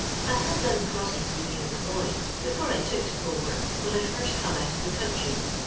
" I had done crossing sweeping as a boy, before I took to coaLwork, when I first come out of the countr}'.